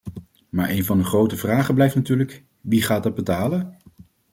Maar een van de grote vragen blijft natuurlijk: wie gaat dat betalen?